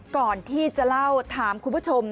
ก่อนที่จะเล่าถามคุณผู้ชม